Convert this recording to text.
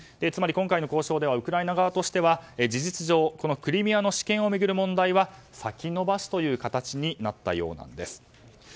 つまり今回の交渉ではウクライナ側としては事実上クリミアの主権を巡る問題は先延ばしという形になったようなんです。